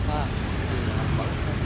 vẫn vẫn là vấn đề